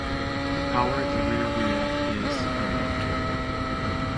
Power at the rear wheel is and of torque.